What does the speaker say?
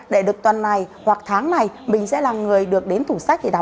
để được tuần này hoặc tháng này mình sẽ là người được đến tủ sách để đọc